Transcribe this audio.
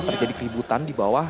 terjadi keributan di bawah